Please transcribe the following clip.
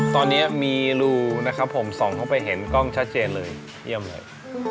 ตอนนี้มีรูนะครับผมส่องเข้าไปเห็นกล้องชัดเจนเลยเยี่ยมเลย